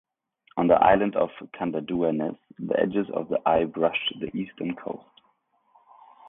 On the island of Catanduanes, the edge of the eye brushed the eastern coast.